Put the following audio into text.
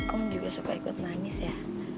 om juga suka ikut nangis ya